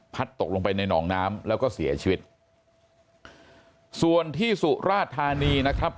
ตกลงไปในหนองน้ำแล้วก็เสียชีวิตส่วนที่สุราธานีนะครับ